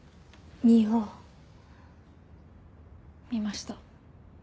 見ました。